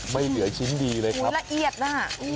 ไม่เหลือชิ้นดีเลยครับละเอียดน่ะ